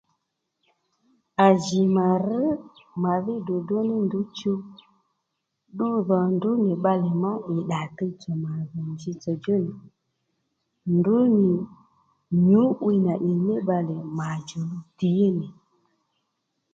À jì mà rř màdhí dròdró ní ndrǔ chuw ddudhò ndrǔ nì bbalè má ì ddà tuwtsò njitsò djú nì ndrǔ nì nyǔ'wiy nà ì nì bbalè mà djòluw tǐ nì